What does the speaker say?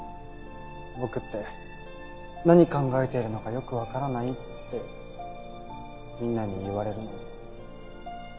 僕って何考えているのかよくわからないってみんなに言われるのに。